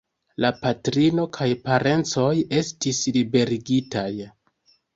La patrino kaj parencoj estis liberigitaj.